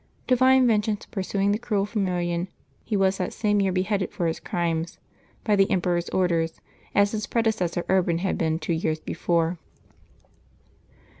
Divine vengeance pursuing the cruel Firmilian, he was that same year beheaded for his crimes, by the emperor's order, as his predecessor Urban had been two years before.